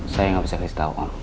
saya gak bisa kasih tau om